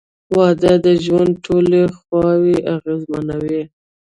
• واده د ژوند ټولې خواوې اغېزمنوي.